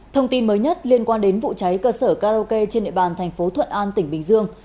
thông tin mới nhất liên quan đến vụ cháy cơ sở karaoke trên địa bàn thành phố thuận an tỉnh bình dương